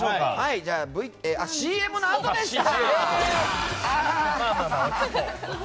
あ、ＣＭのあとでした！